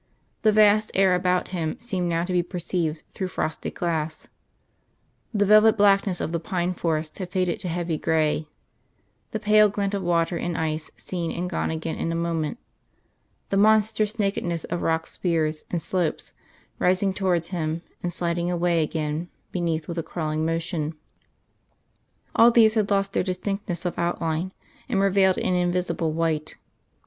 The vast air about him seemed now to be perceived through frosted glass. The velvet blackness of the pine forests had faded to heavy grey, the pale glint of water and ice seen and gone again in a moment, the monstrous nakedness of rock spires and slopes, rising towards him and sliding away again beneath with a crawling motion all these had lost their distinctness of outline, and were veiled in invisible white.